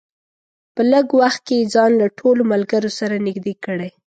په لږ وخت کې یې ځان له ټولو ملګرو سره نږدې کړی.